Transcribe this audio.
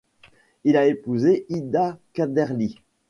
Il a épousé Ida Kaderli.